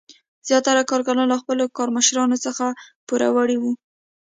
زیاتره کارګران له خپلو کارمشرانو څخه پوروړي وو.